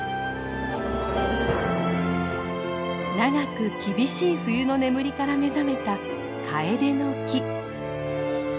長く厳しい冬の眠りから目覚めたカエデの木。